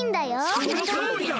そのとおりだ！